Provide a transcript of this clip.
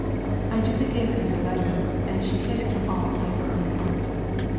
I duly gave her your letter, and she hid it from all save her own heart.